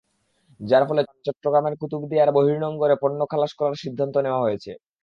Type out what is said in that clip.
যার ফলে চট্টগ্রামের কুতুবদিয়ার বহির্নোঙরে পণ্য খালাস করার সিদ্ধান্ত নেওয়া হয়েছে।